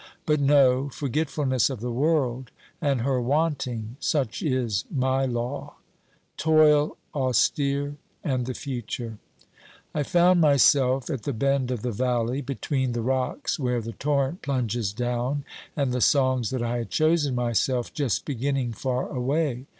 But no — forgetfulness of the world, and her wanting — such is my law ! Toil austere and the future ! I found myself at the bend of the valley, between the rocks where the torrent plunges down and the songs that I had chosen myself just beginning far away.